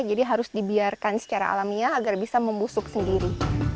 harus dibiarkan secara alamiah agar bisa membusuk sendiri